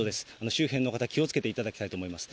周辺の方、気をつけていただきたいと思います。